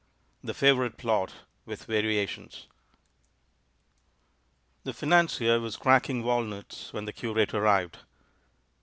THE FAVOURITE PLOT With Variations The financier was cracking walnuts when the curate arrived.